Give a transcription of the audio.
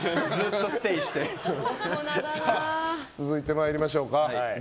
続いて参りましょう。